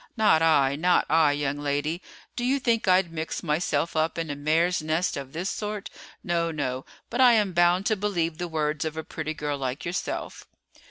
"Not I, not I, young lady. Do you think I'd mix myself up in a mare's nest of this sort? No, no; but I am bound to believe the words of a pretty girl like yourself."